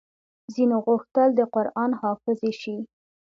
ځينو غوښتل د قران حافظې شي